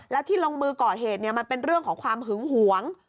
แล้วที่ลงมือก่อเหตุมันเป็นเรื่องของความหึงหวง